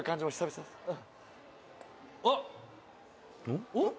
「あっ！」